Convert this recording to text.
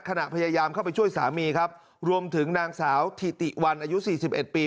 ขณะพยายามเข้าไปช่วยสามีครับรวมถึงนางสาวธิติวันอายุ๔๑ปี